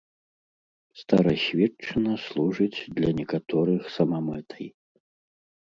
Старасветчына служыць для некаторых самамэтай.